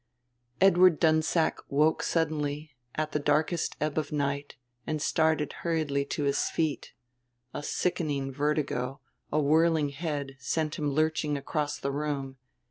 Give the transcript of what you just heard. Edward Dunsack woke suddenly, at the darkest ebb of night, and started hurriedly to his feet. A sickening vertigo, a whirling head, sent him lurching across the room.